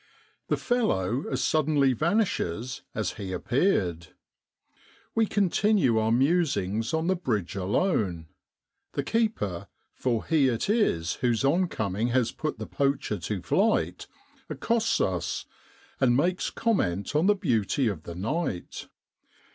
The fellow as suddenly vanishes as he appeared. We continue our musings on the Bridge alone. The keeper, for he it is whose oncoming has put the poacher to flight, accosts us, and makes comment on the beauty of the night.